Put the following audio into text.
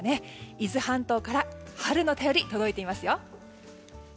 伊豆半島から春の便りが届いていますよ。